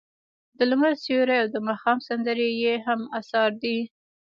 د لمر سیوری او د ماښام سندرې یې هم اثار دي.